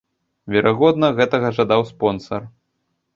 Верагодна, гэтага жадаў спонсар.